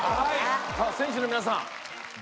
さあ選手の皆さん